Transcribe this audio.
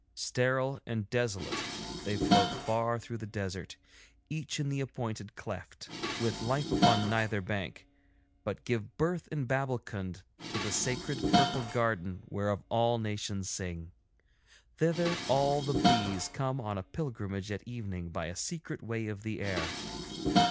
Sterile and desolate they float far through the desert, each in the appointed cleft, with life upon neither bank, but give birth in Babbulkund to the sacred purple garden whereof all nations sing. Thither all the bees come on a pilgrimage at evening by a secret way of the air.